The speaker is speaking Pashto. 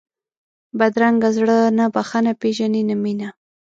بدرنګه زړه نه بښنه پېژني نه مینه